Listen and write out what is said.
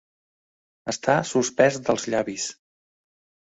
Estar suspès dels llavis.